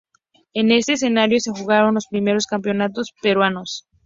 En este escenario se jugaron los primeros campeonatos peruanos.